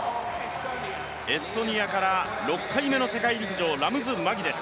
エストニアから６回目の世界陸上、ラムズ・マギです。